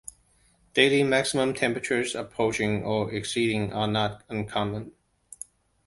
Daily maximum temperatures approaching or exceeding are not uncommon.